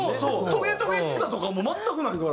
とげとげしさとかも全くないから。